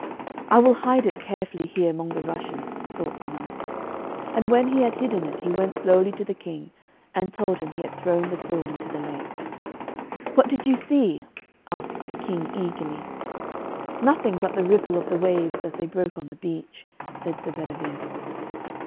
'I will hide it carefully here among the rushes,' thought the knight. And when he had hidden it, he went slowly to the King and told him he had thrown the sword into the lake. 'What did you see?' asked the King eagerly. 'Nothing but the ripple of the waves as they broke on the beach,' said Sir Bedivere.